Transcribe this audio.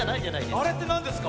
あれってなんですか？